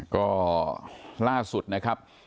ก็ล่าสุดนะครับ